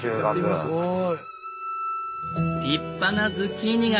すごい。